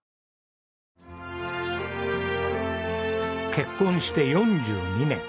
結婚して４２年。